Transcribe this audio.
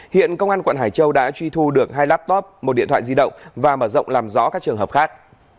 hiện công an quận hải châu đã truy thu được hai laptop một điện thoại di động và mở rộng làm rõ các trường hợp khác